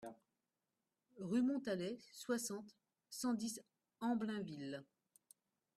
Rue Montalet, soixante, cent dix Amblainville